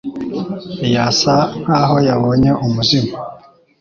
Yasa nkaho yabonye umuzimu.